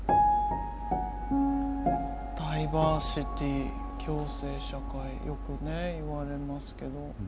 ダイバーシティー共生社会よくね言われますけど。